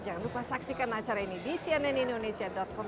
jangan lupa saksikan acara ini di cnnindonesia com